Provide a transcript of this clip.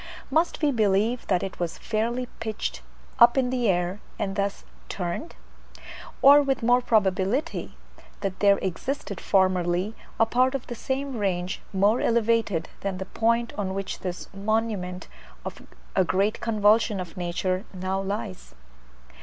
Must we believe that it was fairly pitched up in the air, and thus turned? Or, with more probability, that there existed formerly a part of the same range more elevated than the point on which this monument of a great convulsion of nature now lies.